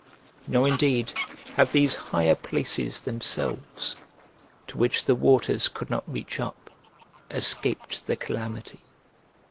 Nor indeed have these higher places themselves, to which the waters could not reach up, escaped the calamity.